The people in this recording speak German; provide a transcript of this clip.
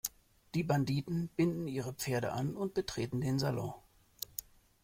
Die Banditen binden ihre Pferde an und betreten den Salon.